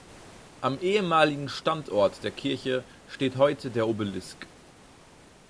Am ehemaligen Standort der Kirche steht heute der Obelisk.